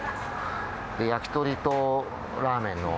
焼き鳥とラーメンの。